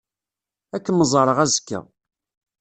Ad kem-ẓṛeɣ azekka.